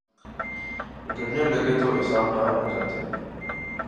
گرنے لگیں تو اسحاق ڈار بن جاتے ہیں۔